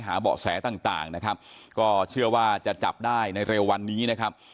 เบาะแสต่างต่างนะครับก็เชื่อว่าจะจับได้ในเร็ววันนี้นะครับ